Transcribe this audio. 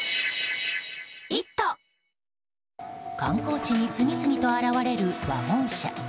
観光地に次々と現れるワゴン車。